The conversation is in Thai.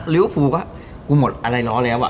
ฟูก็กูหมดอะไรล้อแล้วอ่ะ